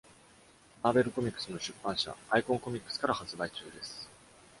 マーベル・コミックスの出版社、アイコン・コミックスから発売中です。